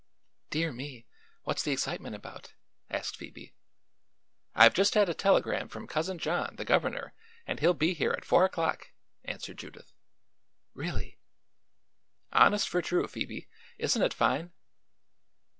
"Dear me; what's the excitement about?" asked Phoebe. "I've just had a telegram from Cousin John, the Governor, and he'll be here at four o'clock," answered Judith. "Really?" "Honest for true, Phoebe. Isn't it fine?"